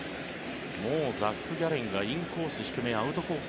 もうザック・ギャレンがインコース低めアウトコース